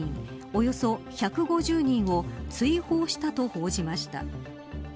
およそ１５０人を追放したと報じました。